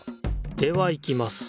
ではいきます。